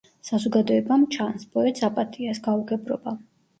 საზოგადოებამ, ჩანს, პოეტს აპატია ეს გაუგებრობა.